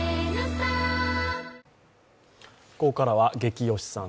ここからはゲキ推しさん。